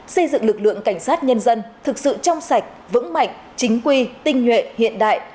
xây dựng lực lượng cảnh sát nhân dân thực sự trong sạch vững mạnh chính quy tinh nhuệ hiện đại